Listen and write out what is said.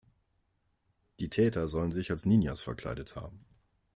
Die Täter sollen sich als Ninjas verkleidet haben.